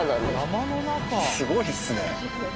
すごいっすね。